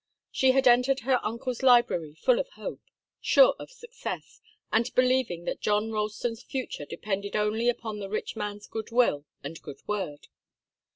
She had entered her uncle's library full of hope, sure of success and believing that John Ralston's future depended only upon the rich man's good will and good word.